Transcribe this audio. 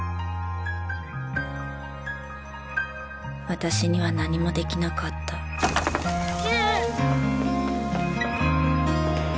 私には何もできなかった優！